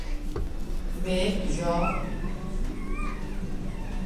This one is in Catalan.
Bé, jo...